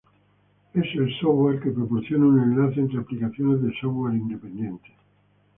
Es el "software" que proporciona un enlace entre aplicaciones de "software" independientes.